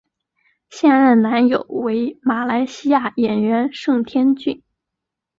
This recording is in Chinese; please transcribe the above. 现任男友为马来西亚演员盛天俊。